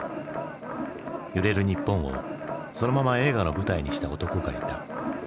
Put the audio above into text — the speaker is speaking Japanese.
揺れる日本をそのまま映画の舞台にした男がいた。